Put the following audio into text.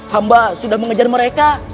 hamba sudah mengejar mereka